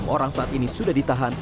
enam orang saat ini sudah ditahan